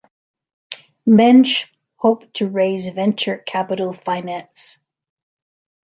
Mensch hoped to raise venture capital finance.